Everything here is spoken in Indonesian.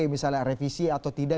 misalnya revisi atau tidak